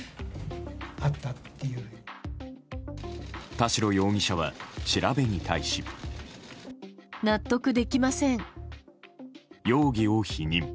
田代容疑者は調べに対し。容疑を否認。